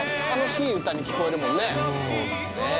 楽しい歌に聞こえるもんね